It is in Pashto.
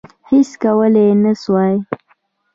هیڅ کولای نه سوای.